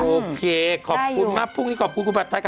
โอเคขอบคุณมากพรุ่งนี้ขอบคุณครูแบบไทย